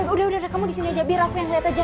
udah udah ada kamu disini aja biar aku yang lihat aja